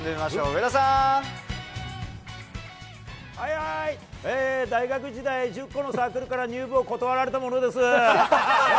上田さ大学時代、１０個のサークルから入部を断られたものです。